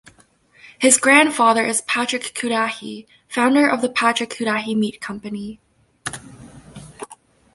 His grandfather is Patrick Cudahy, founder of the Patrick Cudahy meat company.